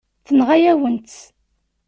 Tenɣa-yawen-tt.